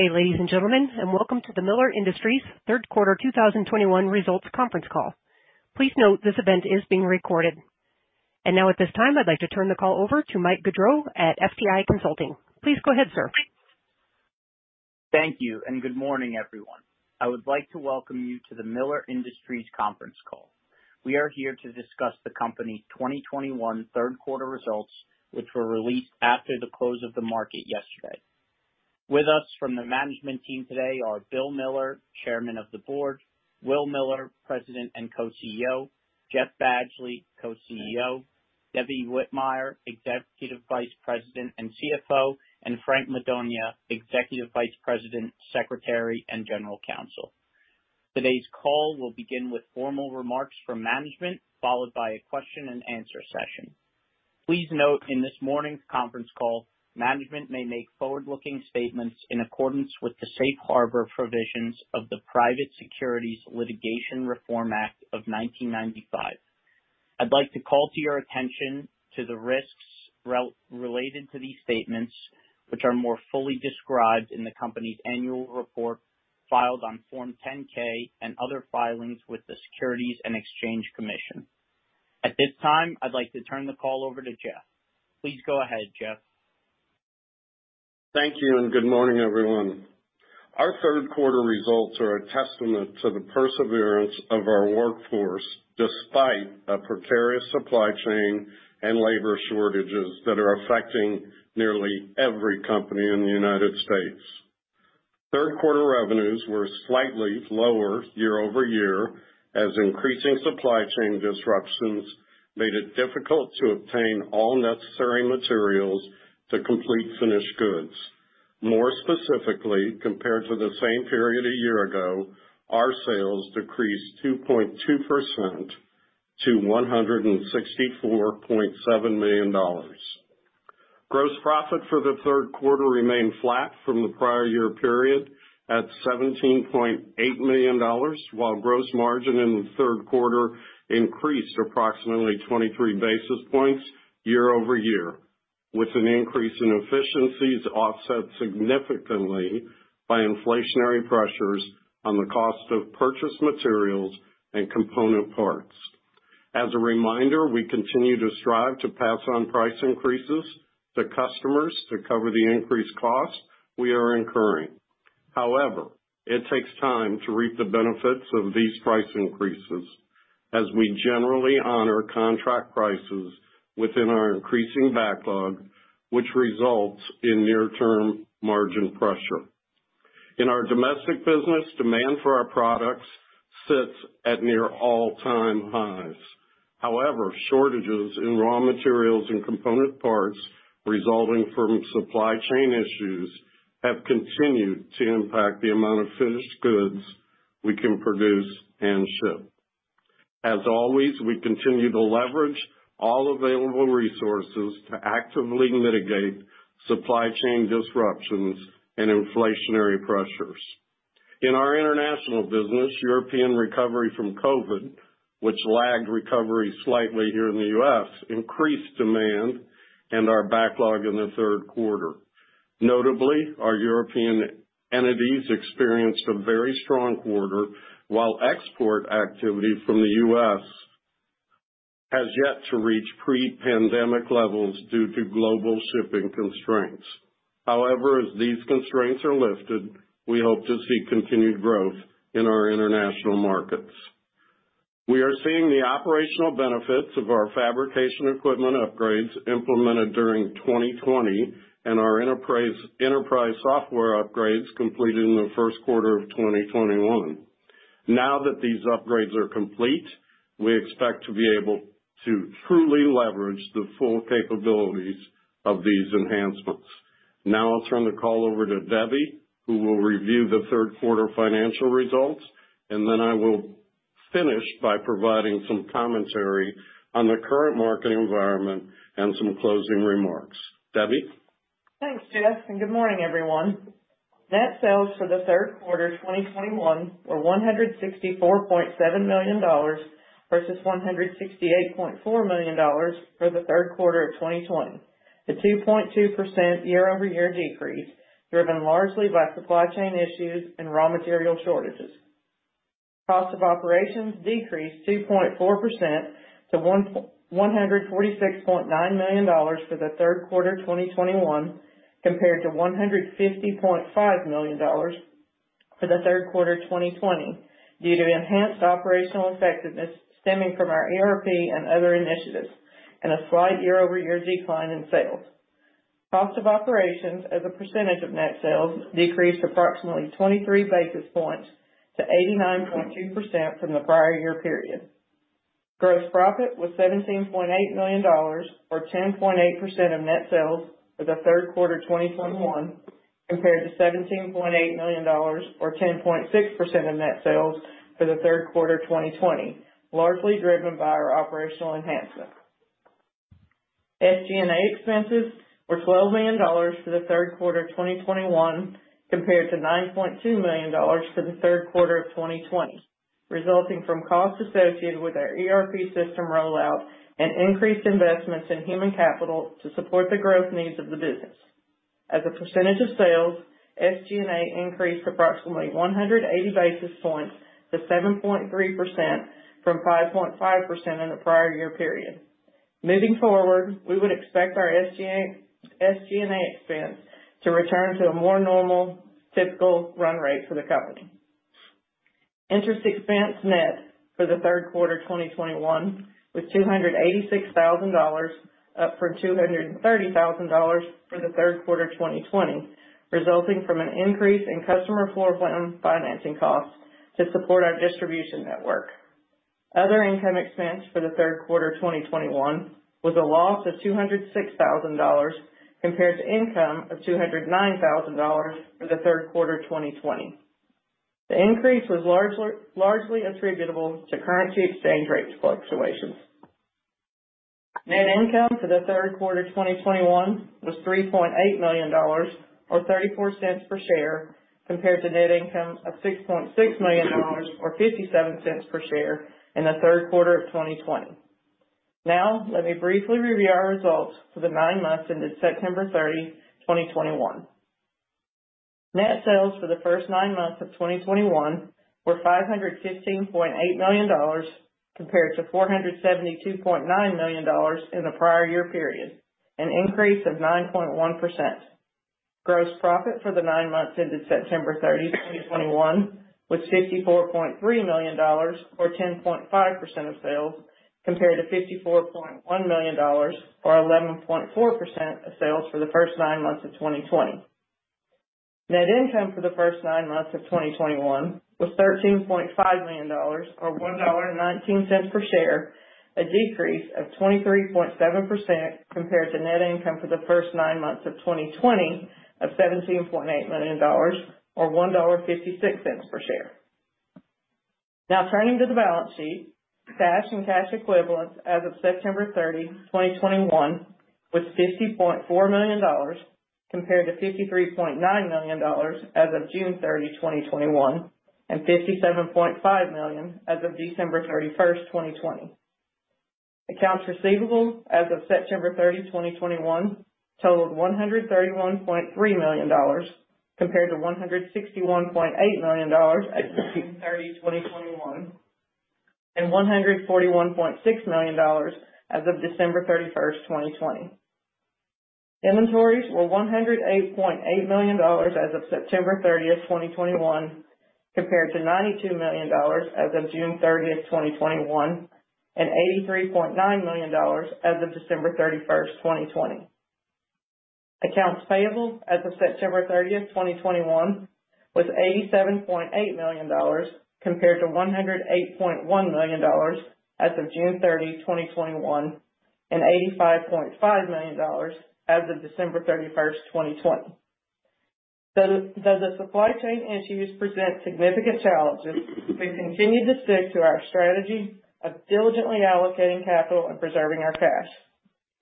Good day, ladies and gentlemen, and welcome to the Miller Industries third quarter 2021 results conference call. Please note this event is being recorded. Now at this time, I'd like to turn the call over to Mike Gaudreau at FTI Consulting. Please go ahead, sir. Thank you and good morning, everyone. I would like to welcome you to the Miller Industries conference call. We are here to discuss the company's 2021 third quarter results, which were released after the close of the market yesterday. With us from the management team today are William Miller, Chairman of the Board, Will Miller, President and Co-CEO, Jeff Badgley, Co-CEO, Debbie Whitmire, Executive Vice President and CFO, and Frank Madonia, Executive Vice President, Secretary, and General Counsel. Today's call will begin with formal remarks from management, followed by a question and answer session. Please note in this morning's conference call, management may make forward-looking statements in accordance with the safe harbor provisions of the Private Securities Litigation Reform Act of 1995. I'd like to call to your attention to the risks related to these statements, which are more fully described in the company's annual report filed on Form 10-K and other filings with the Securities and Exchange Commission. At this time, I'd like to turn the call over to Jeff. Please go ahead, Jeff. Thank you and good morning, everyone. Our third quarter results are a testament to the perseverance of our workforce despite a precarious supply chain and labor shortages that are affecting nearly every company in the United States. Third quarter revenues were slightly lower year-over-year, as increasing supply chain disruptions made it difficult to obtain all necessary materials to complete finished goods. More specifically, compared to the same period a year ago, our sales decreased 2.2% to $164.7 million. Gross profit for the third quarter remained flat from the prior year period at $17.8 million, while gross margin in the third quarter increased approximately 23 basis points year-over-year, with an increase in efficiencies offset significantly by inflationary pressures on the cost of purchased materials and component parts. As a reminder, we continue to strive to pass on price increases to customers to cover the increased costs we are incurring. However, it takes time to reap the benefits of these price increases as we generally honor contract prices within our increasing backlog, which results in near-term margin pressure. In our domestic business, demand for our products sits at near all-time highs. However, shortages in raw materials and component parts resulting from supply chain issues have continued to impact the amount of finished goods we can produce and ship. As always, we continue to leverage all available resources to actively mitigate supply chain disruptions and inflationary pressures. In our international business, European recovery from COVID, which lagged recovery slightly here in the U.S., increased demand and our backlog in the third quarter. Notably, our European entities experienced a very strong quarter, while export activity from the U.S. has yet to reach pre-pandemic levels due to global shipping constraints. However, as these constraints are lifted, we hope to see continued growth in our international markets. We are seeing the operational benefits of our fabrication equipment upgrades implemented during 2020 and our enterprise software upgrades completed in the first quarter of 2021. Now that these upgrades are complete, we expect to be able to truly leverage the full capabilities of these enhancements. Now I'll turn the call over to Debbie, who will review the third quarter financial results, and then I will finish by providing some commentary on the current market environment and some closing remarks. Debbie? Thanks, Jeff, and good morning, everyone. Net sales for the third quarter 2021 were $164.7 million versus $168.4 million for the third quarter of 2020. The 2.2% year-over-year decrease driven largely by supply chain issues and raw material shortages. Cost of operations decreased 2.4% to $146.9 million for the third quarter 2021 compared to $150.5 million for the third quarter of 2020 due to enhanced operational effectiveness stemming from our ERP and other initiatives, and a slight year-over-year decline in sales. Cost of operations as a percentage of net sales decreased approximately 23 basis points to 89.2% from the prior year period. Gross profit was $17.8 million or 10.8% of net sales for the third quarter 2021 compared to $17.8 million or 10.6% of net sales for the third quarter of 2020, largely driven by our operational enhancements. SG&A expenses were $12 million for the third quarter of 2021 compared to $9.2 million for the third quarter of 2020, resulting from costs associated with our ERP system rollout and increased investments in human capital to support the growth needs of the business. As a percentage of sales, SG&A increased approximately 180 basis points to 7.3% from 5.5% in the prior year period. Moving forward, we would expect our SG&A expense to return to a more normal typical run rate for the company. Interest expense net for the third quarter 2021 was $286,000, up from $230,000 for the third quarter of 2020, resulting from an increase in customer floor plan financing costs to support our distribution network. Other income expense for the third quarter of 2021 was a loss of $206,000 compared to income of $209,000 for the third quarter of 2020. The increase was largely attributable to currency exchange rate fluctuations. Net income for the third quarter of 2021 was $3.8 million, or $0.34 per share, compared to net income of $6.6 million or $0.57 per share in the third quarter of 2020. Now, let me briefly review our results for the nine months ended September 30, 2021. Net sales for the first nine months of 2021 were $515.8 million compared to $472.9 million in the prior year period, an increase of 9.1%. Gross profit for the nine months ended September 30, 2021 was $54.3 million or 10.5% of sales, compared to $54.1 million or 11.4% of sales for the first nine months of 2020. Net income for the first nine months of 2021 was $13.5 million or $1.19 per share, a decrease of 23.7% compared to net income for the first nine months of 2020 of $17.8 million or $1.56 per share. Now turning to the balance sheet. Cash and cash equivalents as of September 30, 2021 was $50.4 million compared to $53.9 million as of June 30, 2021, and $57.5 million as of December 31, 2020. Accounts receivable as of September 30, 2021 totaled $131.3 million compared to $161.8 million as of June 30, 2021, and $141.6 million as of December 31, 2020. Inventories were $108.8 million as of September 30, 2021, compared to $92 million as of June 30, 2021, and $83.9 million as of December 31, 2020. Accounts payable as of September 30, 2021 was $87.8 million compared to $108.1 million as of June 30, 2021, and $85.5 million as of December 31, 2020. Though the supply chain issues present significant challenges, we continue to stick to our strategy of diligently allocating capital and preserving our cash.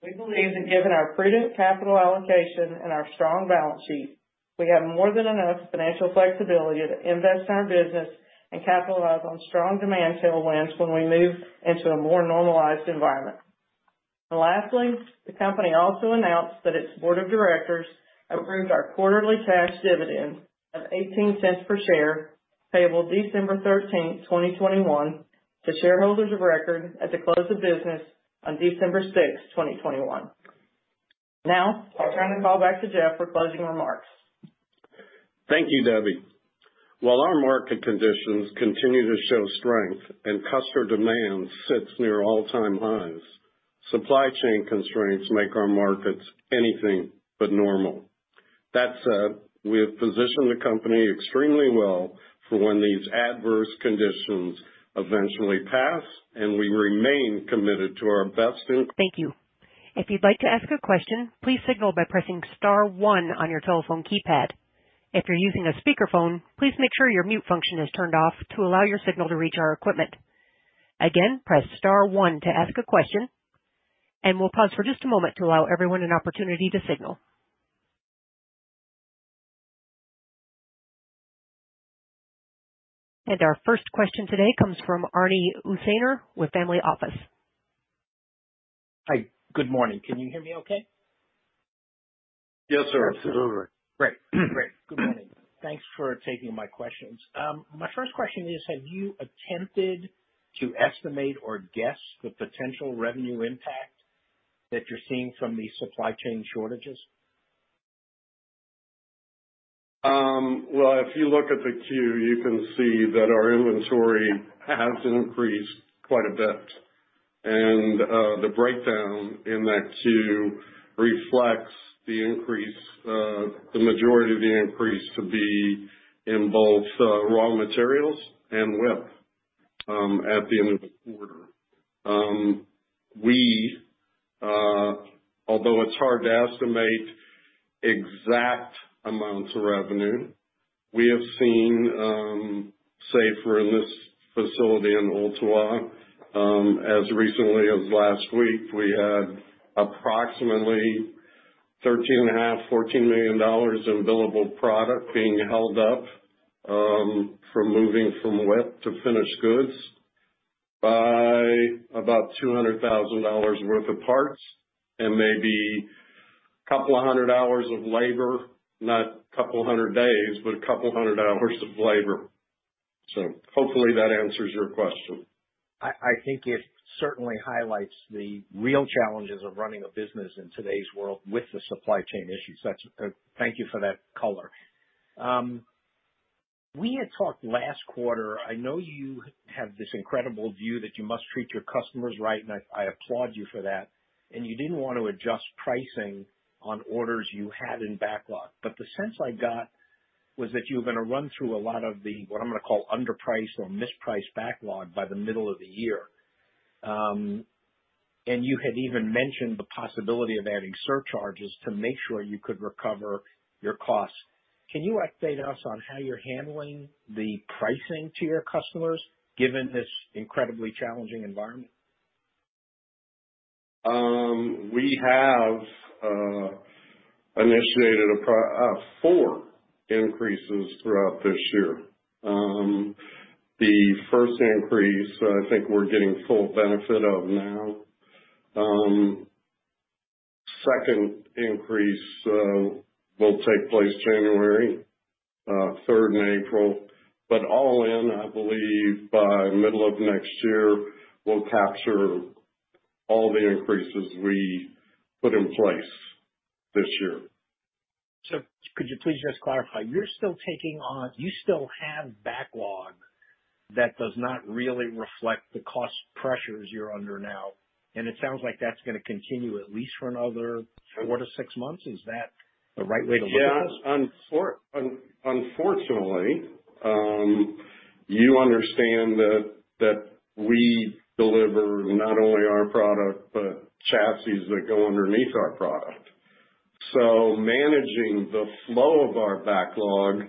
We believe that given our prudent capital allocation and our strong balance sheet, we have more than enough financial flexibility to invest in our business and capitalize on strong demand tailwinds when we move into a more normalized environment. Lastly, the company also announced that its board of directors approved our quarterly cash dividend of $0.18 per share, payable December 13, 2021 to shareholders of record at the close of business on December 6, 2021. Now I'll turn the call back to Jeff for closing remarks. Thank you, Debbie. While our market conditions continue to show strength and customer demand sits near all-time highs, supply chain constraints make our markets anything but normal. That said, we have positioned the company extremely well for when these adverse conditions eventually pass, and we remain committed to our investment. Thank you. If you'd like to ask a question, please signal by pressing star one on your telephone keypad. If you're using a speakerphone, please make sure your mute function is turned off to allow your signal to reach our equipment. Again, press star one to ask a question, and we'll pause for just a moment to allow everyone an opportunity to signal. Our first question today comes from Arnold Ursaner with Ursaner Family Office. Hi. Good morning. Can you hear me okay? Yes, sir. Absolutely. Great. Good morning. Thanks for taking my questions. My first question is, have you attempted to estimate or guess the potential revenue impact that you're seeing from the supply chain shortages? Well, if you look at the Q, you can see that our inventory has increased quite a bit. The breakdown in that too reflects the increase, the majority of the increase to be in both raw materials and WIP at the end of the quarter. Although it's hard to estimate exact amounts of revenue, we have seen, say, for this facility in Ooltewah, as recently as last week, we had approximately $13.5 million-$14 million in billable product being held up from moving from WIP to finished goods by about $200,000 worth of parts and maybe a couple hundred hours of labor, not a couple hundred days, but a couple hundred hours of labor. Hopefully that answers your question. I think it certainly highlights the real challenges of running a business in today's world with the supply chain issues. That's. Thank you for that color. We had talked last quarter. I know you have this incredible view that you must treat your customers right, and I applaud you for that, and you didn't want to adjust pricing on orders you had in backlog. The sense I got was that you were gonna run through a lot of the, what I'm gonna call underpriced or mispriced backlog by the middle of the year. You had even mentioned the possibility of adding surcharges to make sure you could recover your costs. Can you update us on how you're handling the pricing to your customers, given this incredibly challenging environment? We have initiated four increases throughout this year. The first increase, I think we're getting full benefit of now. Second increase will take place January, third in April. All in, I believe by middle of next year, we'll capture all the increases we put in place this year. Could you please just clarify, you still have backlog that does not really reflect the cost pressures you're under now, and it sounds like that's gonna continue at least for another 4-6 months. Is that the right way to look at this? Yeah. Unfortunately, you understand that we deliver not only our product, but chassis that go underneath our product. Managing the flow of our backlog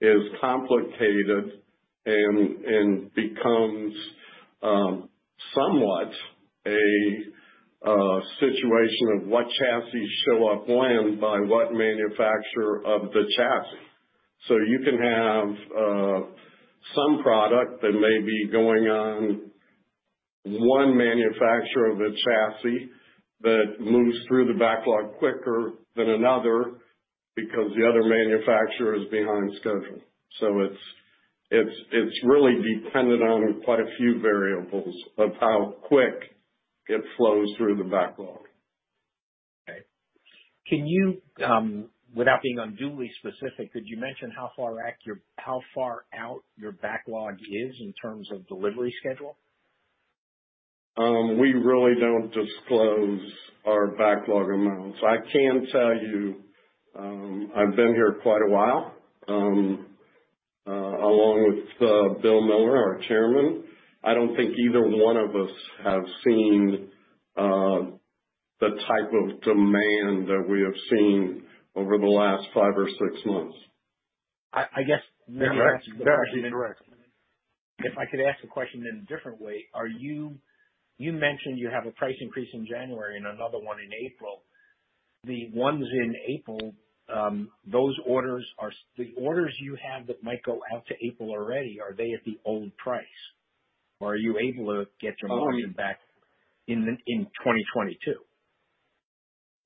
is complicated and becomes somewhat a situation of what chassis show up when by what manufacturer of the chassis. You can have some product that may be going on one manufacturer of a chassis that moves through the backlog quicker than another because the other manufacturer is behind schedule. It's really dependent on quite a few variables of how quick it flows through the backlog. Okay. Can you, without being unduly specific, mention how far out your backlog is in terms of delivery schedule? We really don't disclose our backlog amounts. I can tell you, I've been here quite a while, along with Bill Miller, our Chairman. I don't think either one of us have seen the type of demand that we have seen over the last five or six months. I guess. That's actually the right. If I could ask the question in a different way, you mentioned you have a price increase in January and another one in April. The ones in April, those orders are the orders you have that might go out to April already, are they at the old price, or are you able to get your margin back in 2022?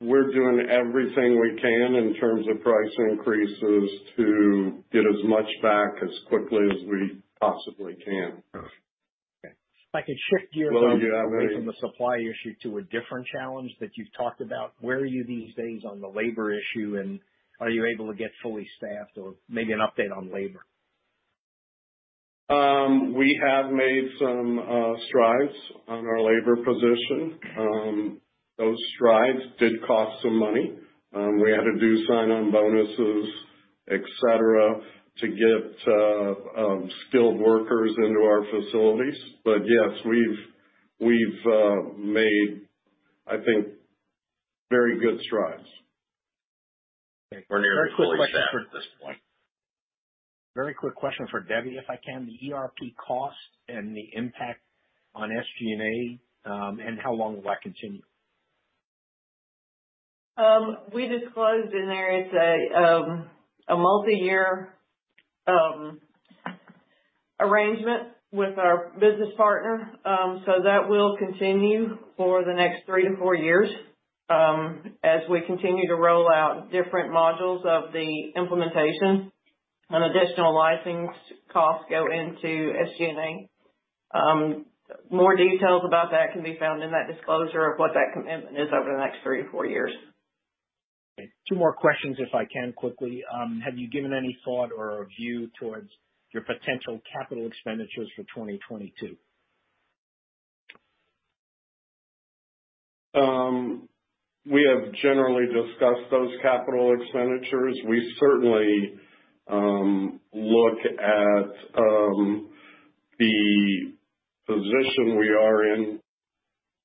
We're doing everything we can in terms of price increases to get as much back as quickly as we possibly can. Okay. If I could shift gears. While we are very- Away from the supply issue to a different challenge that you've talked about. Where are you these days on the labor issue, and are you able to get fully staffed or maybe an update on labor? We have made some strides on our labor position. Those strides did cost some money. We had to do sign-on bonuses, et cetera, to get skilled workers into our facilities. Yes, we've made, I think, very good strides. Okay. We're near fully staffed at this point. Very quick question for Debbie, if I can. The ERP cost and the impact on SG&A, and how long will that continue? We disclosed in there, it's a multi-year arrangement with our business partner, so that will continue for the next 3-4 years. As we continue to roll out different modules of the implementation, an additional licensing cost go into SG&A. More details about that can be found in that disclosure of what that commitment is over the next 3-4 years. Okay. Two more questions, if I can, quickly. Have you given any thought or a view towards your potential capital expenditures for 2022? We have generally discussed those capital expenditures. We certainly look at the position we are in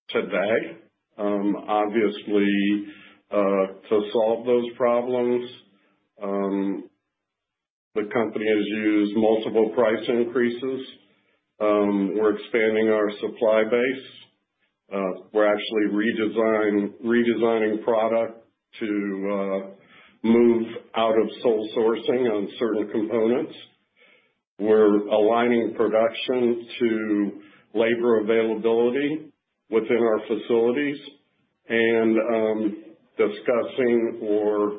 today. Obviously, to solve those problems, the company has used multiple price increases. We're expanding our supply base. We're actually redesigning product to move out of sole sourcing on certain components. We're aligning production to labor availability within our facilities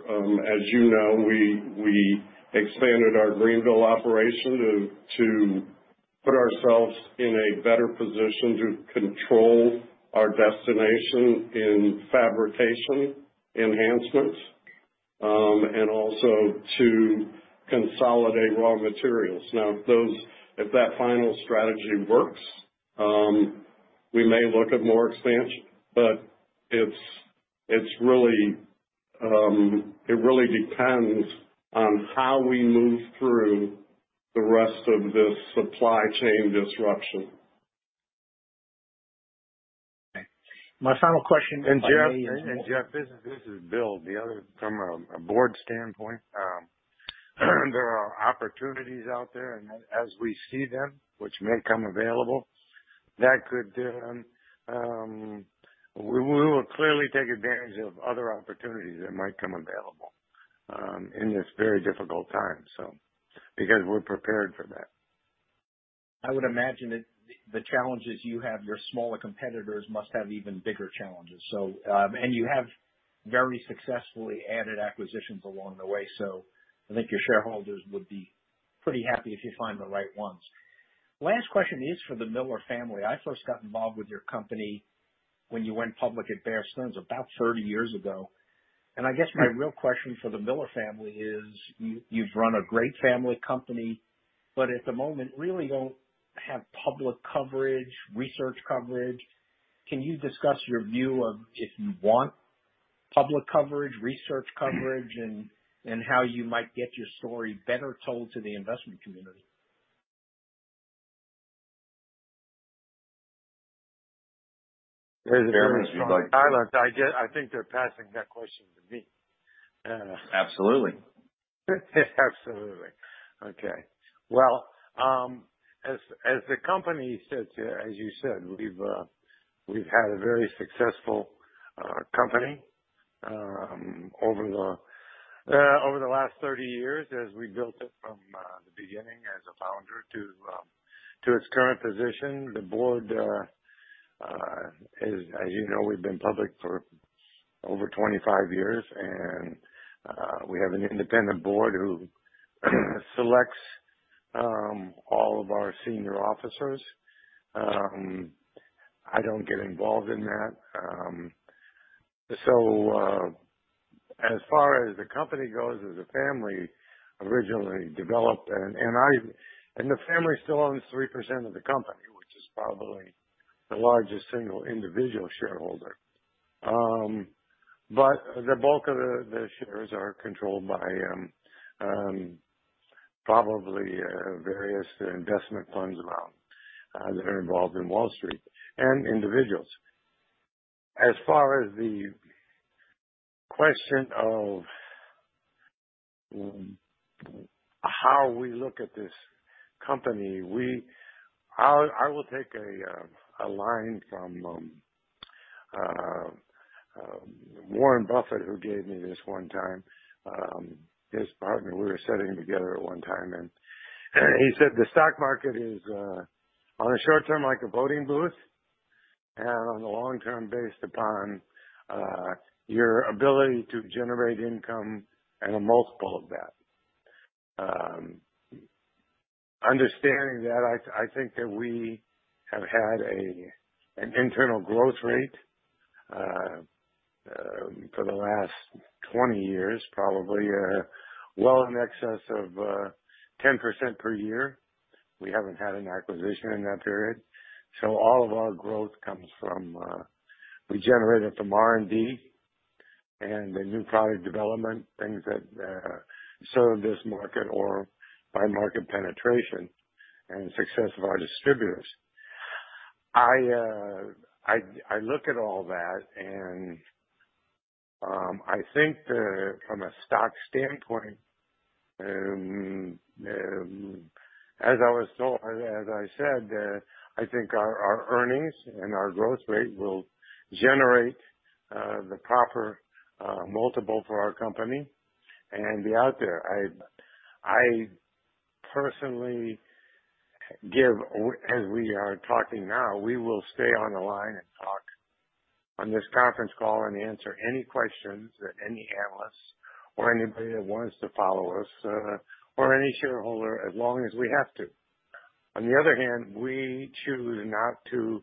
and, as you know, we expanded our Greeneville operation to put ourselves in a better position to control our destination in fabrication enhancements and also to consolidate raw materials. Now, if that final strategy works, we may look at more expansion, but it really depends on how we move through the rest of this supply chain disruption. My final question. Jeff, this is Bill. The other from a board standpoint, there are opportunities out there and as we see them, which may become available, we will clearly take advantage of other opportunities that might become available in this very difficult time because we're prepared for that. I would imagine that the challenges you have, your smaller competitors must have even bigger challenges. You have very successfully added acquisitions along the way. I think your shareholders would be pretty happy if you find the right ones. Last question is for the Miller family. I first got involved with your company when you went public at Bear Stearns about 30 years ago. I guess my real question for the Miller family is, you've run a great family company, but at the moment really don't have public coverage, research coverage. Can you discuss your view of if you want public coverage, research coverage, and how you might get your story better told to the investment community? I think they're passing that question to me. Absolutely. Absolutely. Okay. Well, as the company sits here, as you said, we've had a very successful company over the last 30 years as we built it from the beginning as a founder to its current position. The board, as you know, we've been public for over 25 years. We have an independent board who selects all of our senior officers. I don't get involved in that. As far as the company goes, as the family originally developed and the family still owns 3% of the company, which is probably the largest single individual shareholder. The bulk of the shares are controlled by probably various investment funds around that are involved in Wall Street and individuals. As far as the question of how we look at this company, I will take a line from Warren Buffett, who gave me this one time, his partner. We were sitting together at one time, and he said, "The stock market is on the short term like a voting booth, and on the long term based upon your ability to generate income and a multiple of that." Understanding that, I think that we have had an internal growth rate for the last 20 years, probably, well in excess of 10% per year. We haven't had an acquisition in that period. All of our growth comes from we generate it from R&D and the new product development, things that serve this market or by market penetration and success of our distributors. I look at all that and I think that from a stock standpoint, as I said, I think our earnings and our growth rate will generate the proper multiple for our company and be out there. I personally give, as we are talking now, we will stay on the line and talk on this conference call and answer any questions that any analysts or anybody that wants to follow us or any shareholder as long as we have to. On the other hand, we choose not to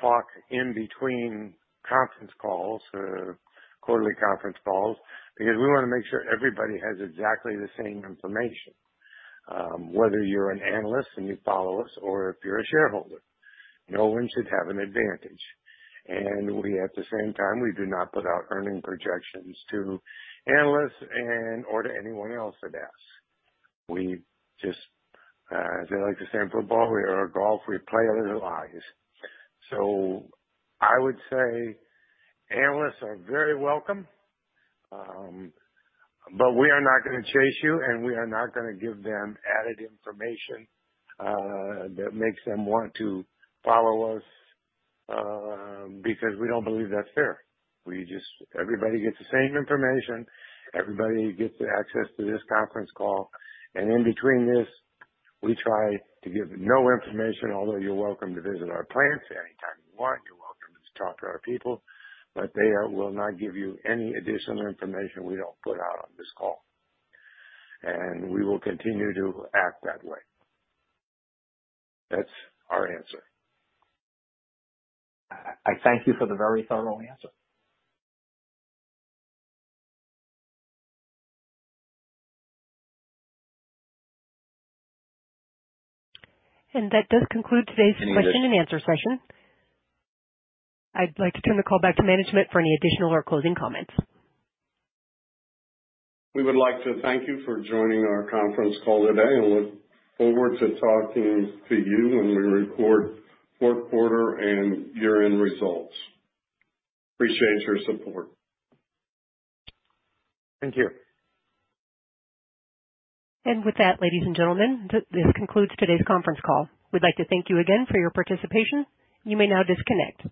talk in between conference calls or quarterly conference calls because we want to make sure everybody has exactly the same information. Whether you're an analyst and you follow us or if you're a shareholder, no one should have an advantage. We at the same time do not put out earnings projections to analysts and/or to anyone else that asks. We just, as they like to say in football or golf, we play it as it lies. I would say analysts are very welcome, but we are not gonna chase you, and we are not gonna give them added information, that makes them want to follow us, because we don't believe that's fair. Everybody gets the same information. Everybody gets access to this conference call. In between this, we try to give no information. Although you're welcome to visit our plants anytime you want. You're welcome to talk to our people, but they will not give you any additional information we don't put out on this call. We will continue to act that way. That's our answer. I thank you for the very thorough answer. That does conclude today's question and answer session. I'd like to turn the call back to management for any additional or closing comments. We would like to thank you for joining our conference call today and look forward to talking to you when we record fourth quarter and year-end results. Appreciate your support. Thank you. With that, ladies and gentlemen, this concludes today's conference call. We'd like to thank you again for your participation. You may now disconnect.